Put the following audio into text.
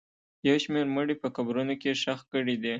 یو شمېر مړي په قبرونو کې ښخ کړي دي